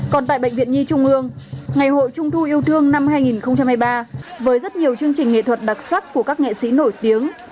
còn tại bệnh viện nhi trung ương ngày hội trung thu yêu thương năm hai nghìn hai mươi ba với rất nhiều chương trình nghệ thuật đặc sắc của các nghệ sĩ nổi tiếng